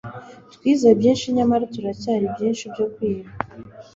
twize byinshi, nyamara turacyari byinshi byo kwiga